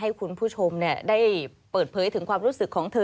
ให้คุณผู้ชมได้เปิดเผยถึงความรู้สึกของเธอ